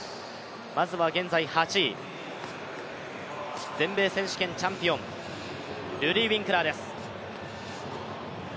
まずは現在８位、全米選手権チャンピオン、ルディー・ウィンクラーです。